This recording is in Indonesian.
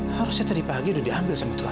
harusnya tadi pagi udah diambil sama sama